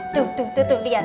tuh tuh tuh tuh liat